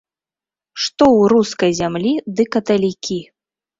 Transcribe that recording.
Што ў рускай зямлі ды каталікі!